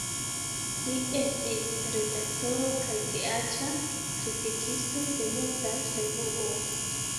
Li estis redaktoro kaj teatra kritikisto de multaj revuoj.